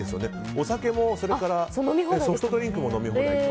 お酒もソフトドリンクも飲み放題で。